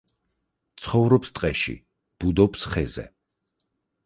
ცხოვრობს ტყეში, ბუდობს ხეზე.